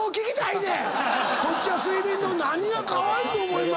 こっちは睡眠の何が「カワイイと思います」って。